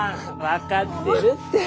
分かってるって。